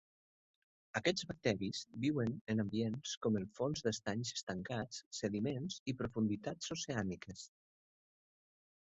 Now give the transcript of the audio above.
Aquests bacteris viuen en ambients com el fons d'estanys estancats, sediments i profunditats oceàniques.